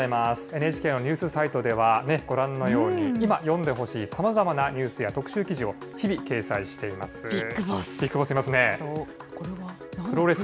ＮＨＫのニュースサイトでは、ご覧のように、今読んでほしいさまざまなニュースや特集記事を日々、ビッグボス。